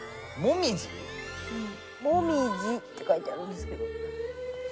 「もみじ」って書いてあるんですけど。